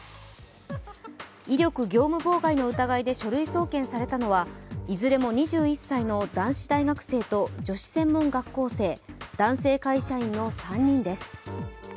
威力業務妨害の疑いで書類送検されたのは、いずれも２１歳の男子大学生と女子専門学校生、男性会社員の３人です。